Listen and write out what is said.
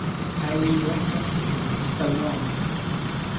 ] Harry went up to him, and salaamed.